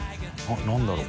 何だろう？